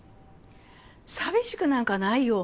寂しくなんかないよ。